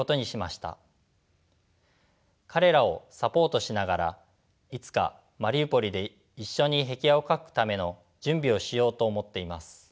彼らをサポートしながらいつかマリウポリで一緒に壁画を描くための準備をしようと思っています。